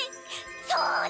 そうだ！